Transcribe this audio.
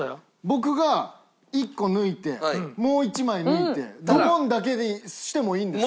僕が１個抜いてもう１枚抜いてドボンだけにしてもいいんですよね？